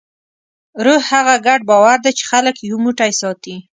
روح هغه ګډ باور دی، چې خلک یو موټی ساتي.